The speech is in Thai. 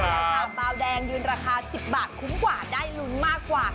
ใช่ค่ะบาวแดงยืนราคา๑๐บาทคุ้มกว่าได้ลุ้นมากกว่า